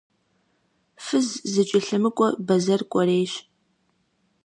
Фыз зэкӀэлъымыкӀуэ бэзэр кӀуэрейщ.